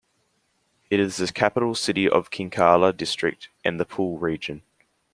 It is the capital city of Kinkala District and the Pool Region.